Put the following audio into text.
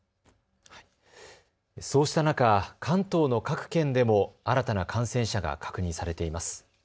そうした中、関東の各県でも新たな感染者が確認されています。